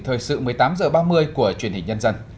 thời sự một mươi tám h ba mươi của truyền hình nhân dân